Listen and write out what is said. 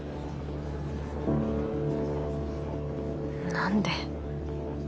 何で？